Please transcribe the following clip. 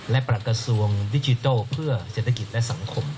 และประหลักกระทรวงดิจิทัลเพื่อเศรษฐกิจและสังคม